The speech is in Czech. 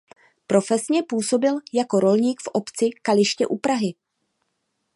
Profesně působil jako rolník v obci Kaliště u Prahy.